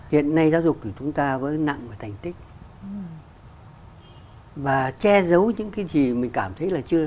hiện nay giáo dục của chúng ta vẫn nặng và thành tích và che giấu những cái gì mình cảm thấy là